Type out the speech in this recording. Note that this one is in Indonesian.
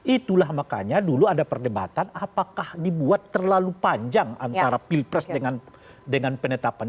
itulah makanya dulu ada perdebatan apakah dibuat terlalu panjang antara pilpres dengan penetapan